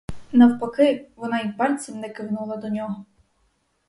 Навпаки, вона й пальцем не кивнула до нього.